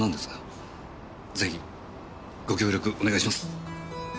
ぜひご協力お願いします。